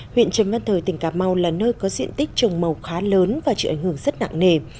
huyện trần văn thời tỉnh cà mau là nơi có diện tích trồng màu khá lớn và chịu ảnh hưởng rất nặng nề